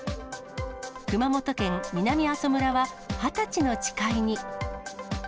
熊本県南阿蘇村は、二十歳の誓いに。